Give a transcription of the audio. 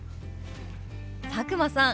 佐久間さん